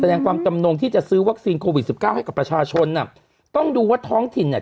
แสดงความจำนงที่จะซื้อวัคซีนโควิดสิบเก้าให้กับประชาชนอ่ะต้องดูว่าท้องถิ่นเนี่ย